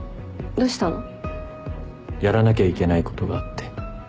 どうしたの？やらなきゃいけないことがあって。